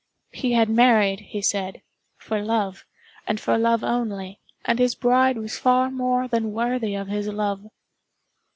"He had married," he said, "for love, and for love only; and his bride was far more than worthy of his love."